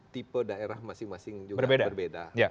tipe daerah masing masing juga berbeda